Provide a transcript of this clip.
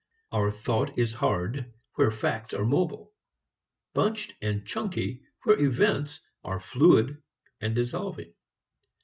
Our thought is hard where facts are mobile; bunched and chunky where events are fluid, dissolving.